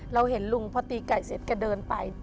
เห็นลุงพอตีไก่เสร็จแกเดินไป